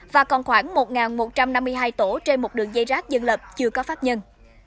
và còn khoảng một một trăm năm mươi hai tổ trên một đường dây rác dân lập chưa có pháp nhân